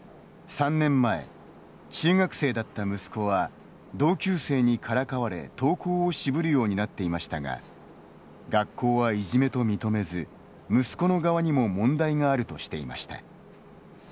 ３年前、中学生だった息子は同級生にからかわれ登校を渋るようになっていましたが学校はいじめと認めず息子の側にも問題があるとしていました。